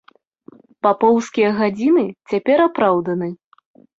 Папоўскія гадзіны цяпер апраўданы.